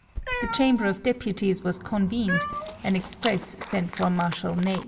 The Chamber of Deputies was convened, an express sent for Marshal Ney.